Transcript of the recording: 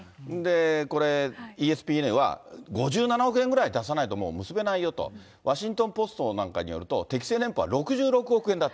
これＥＳＰＮは５７億円ぐらいは出さないともう結べないよと、ワシントン・ポストによりますと、適正年俸は６６億円だと。